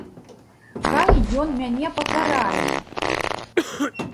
Хай ён мяне пакарае!